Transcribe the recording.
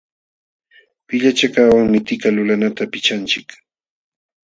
Pillachakaqwanmi tika lulanata pichanchik.